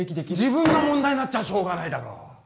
自分が問題になっちゃしょうがないだろ！